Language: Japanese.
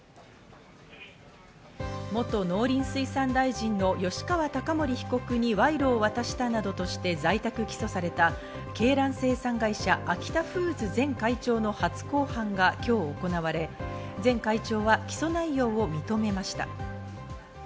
元農林水産大臣の吉川貴盛被告に賄賂を渡したなどとして在宅起訴された鶏卵生産会社・アキタフーズ前会長の初公判が今日行われ、前会長は起訴内容を認めました。